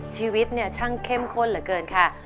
ชีวิตเนี่ยช่างเข้มข้นเหลือเกินค่ะ